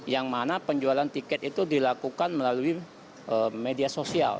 yang mana penjualan tiket itu dilakukan melalui media sosial